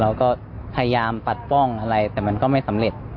เราก็พยายามปัดป้องอะไรแต่มันก็ไม่สำเร็จ